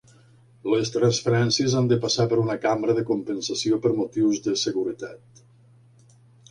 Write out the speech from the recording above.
Les transferències han de passar per una cambra de compensació per motius de seguretat.